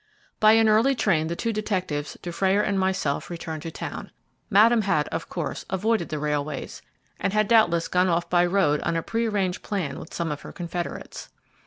By an early train the two detectives, Dufrayer and myself returned to town. Madame had, of course, avoided the railways, and had doubtless gone off by road on a pre arranged plan with some of her confederates.